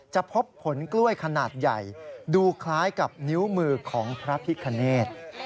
จะพบผลกล้วยขนาดใหญ่ดูคล้ายกับนิ้วมือของพระพิคเนธ